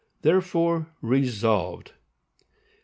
Therefore, Resolved, 1.